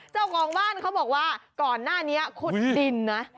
เจ้าของบ้านเขาบอกว่าก่อนหน้านี้ขุดดินนะ